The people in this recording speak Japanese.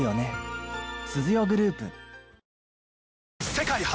世界初！